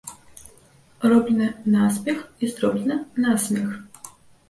Роблена наспех і зроблена насмех